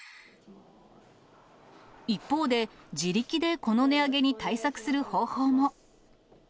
一方で、自力でこの値上げに対策する方法も。